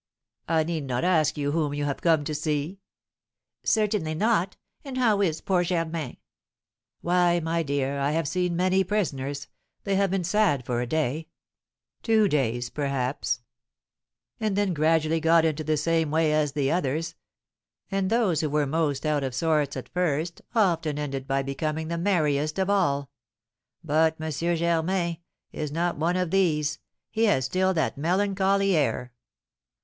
"I need not ask you whom you have come to see?" "Certainly not. And how is poor Germain?" "Why, my dear, I have seen many prisoners; they have been sad for a day, two days, perhaps, and then gradually got into the same way as the others; and those who were most out of sorts at first often ended by becoming the merriest of all. But M. Germain, is not one of these, he has still that melancholy air."